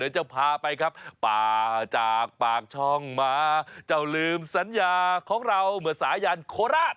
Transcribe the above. จะพาไปครับป่าจากปากช่องมาเจ้าลืมสัญญาของเราเมื่อสายันโคราช